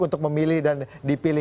untuk memilih dan dipilih